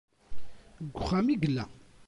Deg uxxam i yella.